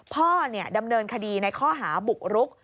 พ่อดำเนินคดีในข้อหาบุกรุก